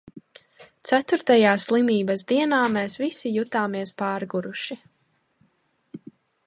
Ceturtajā slimības dienā mēs visi jutāmies pārguruši.